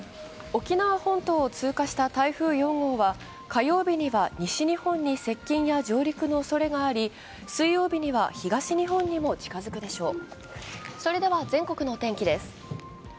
沖縄本島を通過した台風４号は火曜日には西日本に接近や上陸のおそれがあり、水曜日には東日本にも近づくでしょう。